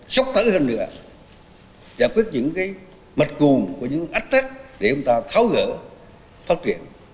sốc tở hơn nữa giải quyết những mật cùn của những ách thất để chúng ta tháo gỡ phát triển